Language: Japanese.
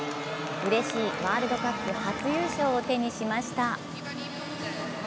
うれしいワールドカップ初優勝を手にしました。